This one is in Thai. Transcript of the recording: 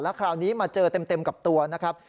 คราวนี้มาเจอเต็มกับตัวนะครับ